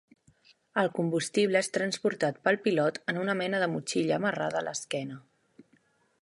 El combustible és transportat pel pilot en una mena de motxilla amarrada a l'esquena.